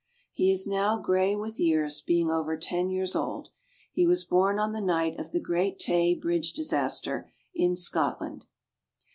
He is now gray with years, being over ten years old. He was born on the night of the great Tay bridge disaster in Scotland.